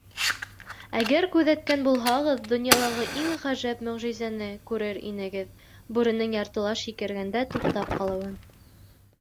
Әгәр күҙәткән булһағыҙ, донъялағы иң ғәжәп мөғжизәне күрер инегеҙ: бүренең яртылаш һикергәндә туҡтап ҡалыуын!